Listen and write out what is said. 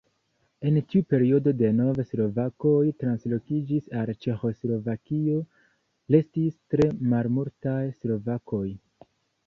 En tiu periodo denove slovakoj translokiĝis al Ĉeĥoslovakio, restis tre malmultaj slovakoj.